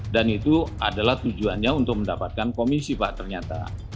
dan itu adalah tujuannya untuk mendapatkan komisi pak ternyata